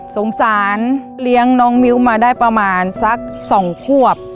สงสารเลี้ยงน้องมิ้วมาได้ประมาณสัก๒ควบ